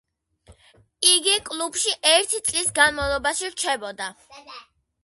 იგი კლუბში ერთი წლის განმავლობაში რჩებოდა.